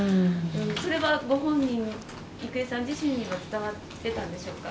それはご本人、郁恵さん自身には伝わってたんでしょうか？